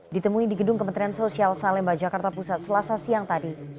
ditemui di gedung kementerian sosial salemba jakarta pusat selasa siang tadi